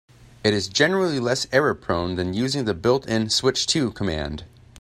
It is generally less error-prone than using the built-in "switch to" command.